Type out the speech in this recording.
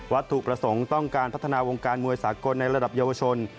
ถูกประสงค์ต้องการพัฒนาวงการมวยสากลในระดับเยาวชน